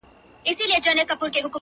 o زه چي وګورمه تاته په لرزه سم,